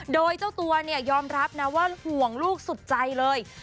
โดยเจ้าตัวเนี่ยยอมรับนะว่าห่วงลูกสุดใจเลย